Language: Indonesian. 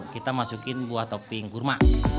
kita masukin buah topping kurma